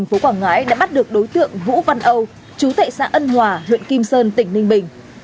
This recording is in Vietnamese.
phố quảng ngãi đã bắt được đối tượng vũ văn âu chú tệ xã ân hòa huyện kim sơn tỉnh ninh bình